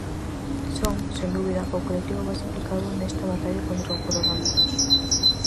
Son, sen dúbida, o colectivo máis implicado nesta batalla contra o coronavirus.